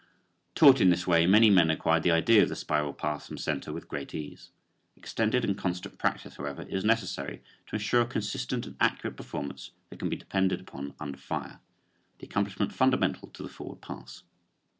Taught in this way many men acquired the idea of the spiral pass from center with great ease. Extended and constant practice, however, is necessary to insure a consistent and accurate performance that can be depended upon under fire the accomplishment fundamental to the forward pass.